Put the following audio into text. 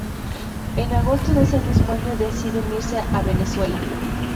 En agosto de ese mismo año deciden irse a Venezuela.